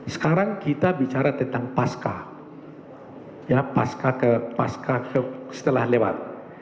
sekarang kita bicara tentang pasca setelah lewat